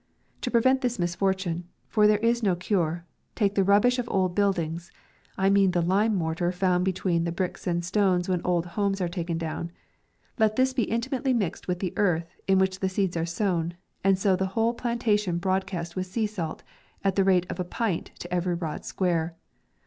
To prevent this misfor tune, for there is no cure, take the rubbish of old buildings — I mean the lime mortar found between the bricks and stones when old houses are taken down — let this be inti mately mixed with the earth in which the seeds are sown, and sow the whole planta tion broadcast with sea salt, at the rate of a pint to every rod square.